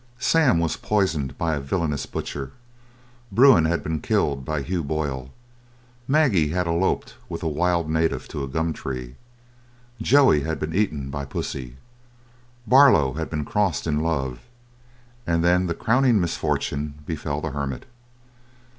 Sam was poisoned by a villainous butcher; Bruin had been killed by Hugh Boyle; Maggie had eloped with a wild native to a gum tree; Joey had been eaten by Pussy; Barlow had been crossed in love, and then the crowning misfortune befell the hermit.